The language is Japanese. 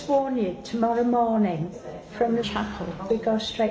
はい。